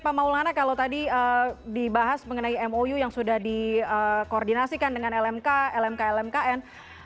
pak maulana kalau tadi dibahas mengenai mou yang sudah dikoordinasikan dengan lmk lmk lmkn